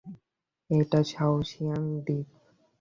এটা শাওশিয়াং দ্বীপ।